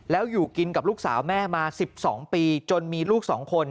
แล้วอยู่กินกับลูกสาวแม่มา๑๒ปีจนมีลูก๒คน